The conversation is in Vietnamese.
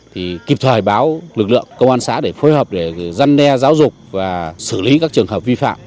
thì kịp thời báo lực lượng công an xã để phối hợp để giăn đe giáo dục và xử lý các trường hợp vi phạm